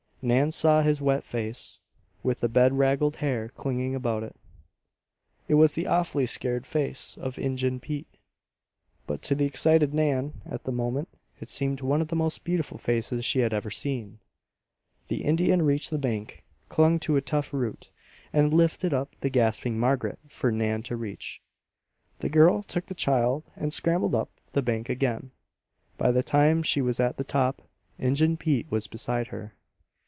Nan saw his wet face, with the bedraggled hair clinging about it. It was the awfully scarred face of Injun Pete; but to the excited Nan, at that moment, it seemed one of the most beautiful faces she had ever seen! The Indian reached the bank, clung to a tough root, and lifted up the gasping Margaret for Nan to reach. The girl took the child and scrambled up the bank again; by the time she was at the top, Injun Pete was beside her.